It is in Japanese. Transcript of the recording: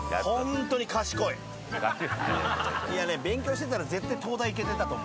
勉強してたら絶対東大行けてたと思う。